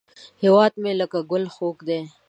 هیواد مې لکه ګل خوږ دی